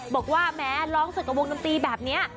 บอกว่าแม้ร้องศึกกับวงดนตรีแบบนี้